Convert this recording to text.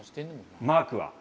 マークは？